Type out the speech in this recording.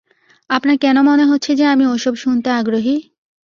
আপনার কেন মনে হচ্ছে যে আমি ওসব শুনতে আগ্রহী?